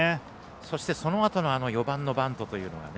そして、そのあとの４番のバントというのもね。